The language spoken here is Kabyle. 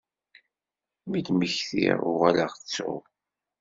Mi d-mmektiɣ uɣaleɣ ttuɣ.